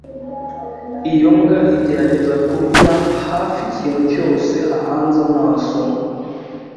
Iyo mbwa igerageza kurya hafi ikintu cyose ahanze amaso.